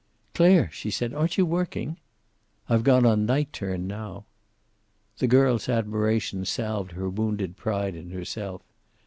"Clare!" she said. "Aren't you working?" "I've gone on night turn now." The girl's admiration salved her wounded pride in herself.